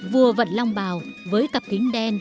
vua vận long bào với cặp kính đen